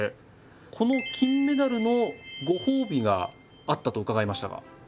この金メダルのご褒美があったと伺いましたが。